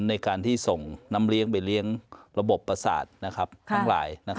ในการที่ส่งน้ำเลี้ยงไปเลี้ยงระบบประสาททั้งหลาย